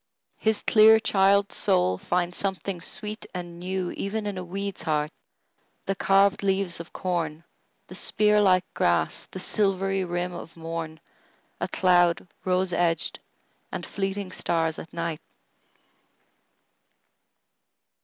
His clear child's soul finds something sweet and newEven in a weed's heart, the carved leaves of corn, The spear like grass, the silvery rim of morn,A cloud rose edged, and fleeting stars at night!